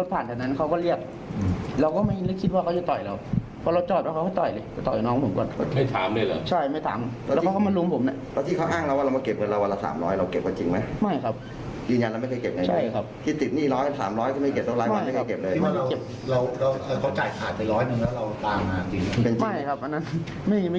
แต่ว่ายายครับอัน